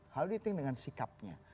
how do you think dengan sikapnya